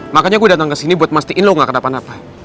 makanya gue datang ke sini buat mastiin lo gak kenapa napa